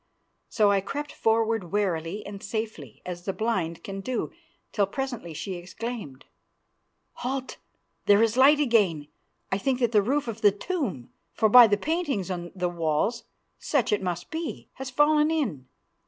So I crept forward warily and safely, as the blind can do, till presently she exclaimed, "Halt, here is light again. I think that the roof of the tomb, for by the paintings on the walls such it must be, has fallen in.